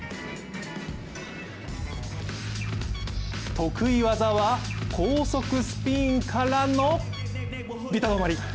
得意技は高速スピンからのビタ止まり！